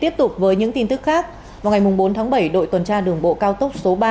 tiếp tục với những tin tức khác vào ngày bốn tháng bảy đội tuần tra đường bộ cao tốc số ba